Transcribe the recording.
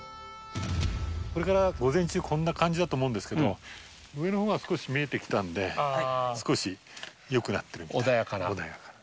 これから午前中はこんな感じだと思うんですけど、上のほうは少し見えてきたんで、少しよくなってるみたい。